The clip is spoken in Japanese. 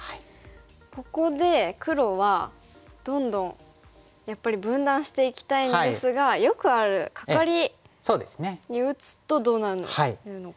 ここで黒はどんどんやっぱり分断していきたいんですがよくあるカカリに打つとどうなるのか。